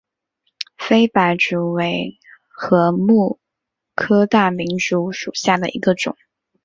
菲白竹为禾本科大明竹属下的一个种。